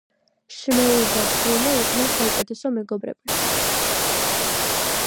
შმეული და ბრუნო იყვნენ საუკეთესო მეგობრები